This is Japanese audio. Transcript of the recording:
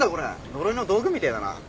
呪いの道具みてえだな。